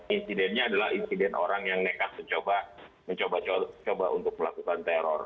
insidennya adalah insiden orang yang nekat mencoba untuk melakukan teror